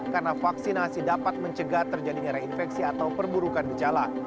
karena vaksinasi dapat mencegah terjadinya reinfeksi atau perburukan becala